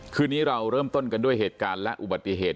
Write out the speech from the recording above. คืนนี้เราเริ่มต้นกันด้วยเหตุการณ์และอุบัติเหตุ